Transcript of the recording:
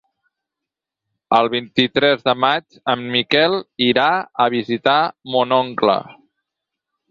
El vint-i-tres de maig en Miquel irà a visitar mon oncle.